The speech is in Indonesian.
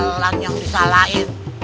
jalan yang disalahin